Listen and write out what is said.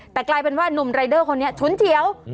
แต่กลายเป็นว่านุ่มรายเดอร์คนนี้ฉุนเฉียว